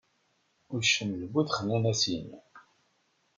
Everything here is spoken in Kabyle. Uccen d bu texnanasin.